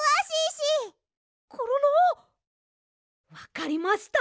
コロロわかりました！